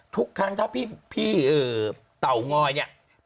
ทุกครั้งถ้าพี่เต่างอยเนี่ย